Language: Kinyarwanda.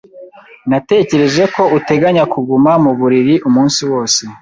Natekereje ko uteganya kuguma mu buriri umunsi wose.